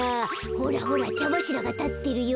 ほらほらちゃばしらがたってるよ。